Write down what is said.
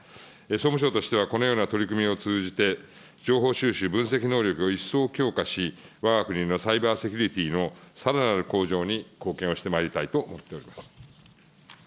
総務省してはこのような取り組みを通じて、情報収集、分析能力を一層強化し、わが国のサイバーセキュリティのさらなる向上に貢献をしてまいりたいと思っておりま